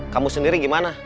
kamu sendiri gimana